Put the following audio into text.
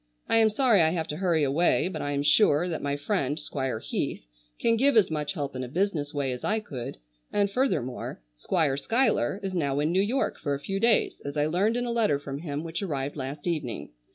I am sorry I have to hurry away, but I am sure that my friend Squire Heath can give as much help in a business way as I could, and furthermore, Squire Schuyler is now in New York for a few days as I learned in a letter from him which arrived last evening.